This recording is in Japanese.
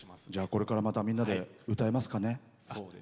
これからまたみんなで歌えますかね。